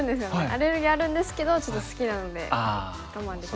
アレルギーあるんですけどちょっと好きなので我慢できる。